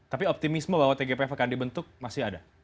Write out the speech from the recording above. tapi optimisme bahwa tgpf akan dibentuk masih ada